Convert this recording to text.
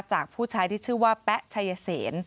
จากผู้ใช้ที่ชื่อว่าแป๊ะชายเศษ